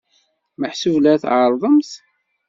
Meḥsub la tɛerrḍemt?